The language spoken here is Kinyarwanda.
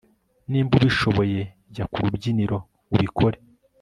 nimba ubishoboye jya kurubyiniro ubikore